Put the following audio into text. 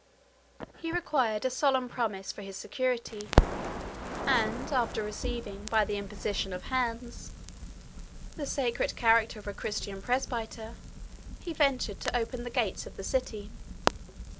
He required a solemn promise for his security; and after receiving, by the imposition of hands, the sacred character of a Christian Presbyter, he ventured to open the gates of the city.